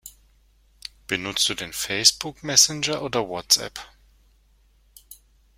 Benutzt du den Facebook Messenger oder WhatsApp?